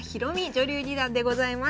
女流二段でございます。